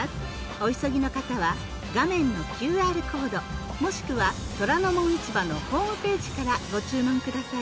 お急ぎの方は画面のＱＲコードもしくは『虎ノ門市場』のホームページからご注文ください。